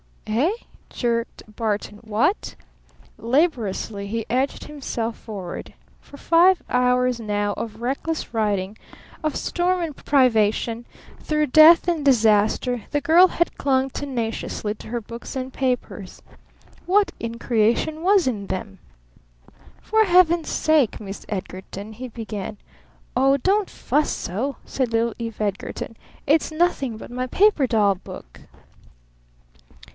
"Eh?" jerked Barton. "What?" Laboriously he edged himself forward. For five hours now of reckless riding, of storm and privation, through death and disaster, the girl had clung tenaciously to her books and papers. What in creation was in them? "For Heaven's sake Miss Edgarton " he began. "Oh, don't fuss so," said little Eve Edgarton. "It's nothing but my paper doll book."